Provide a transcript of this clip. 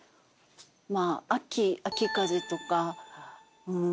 まあ秋秋風とか。